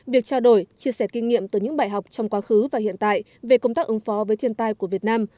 việc trao đổi chia sẻ kinh nghiệm từ những bài học trong quá khứ và hiện tại về công tác ứng phó với thiên tai của việt nam